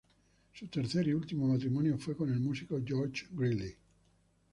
Su tercer y último matrimonio fue con el músico George Greeley.